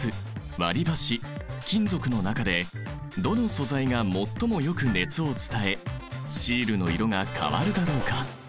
割りばし金属の中でどの素材が最もよく熱を伝えシールの色が変わるだろうか？